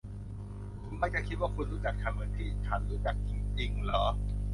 คุณมักจะคิดว่าคุณรู้จักฉันเหมือนที่ฉันรู้จักจริง ๆ เหรอ ?